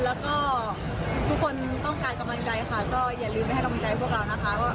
แล้วก็ทุกคนต้องการกำลังใจค่ะก็อย่าลืมไปให้กำลังใจพวกเรานะคะ